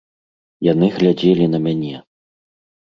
Яны глядзелі на мяне!